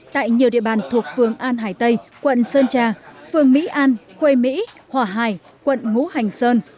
tại nhiều địa bàn thuộc phường an hải tây quận sơn trà phường mỹ an khuê mỹ hòa hải quận ngũ hành sơn